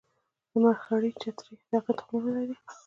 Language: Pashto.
د مرخیړي چترۍ د هغې تخمونه لري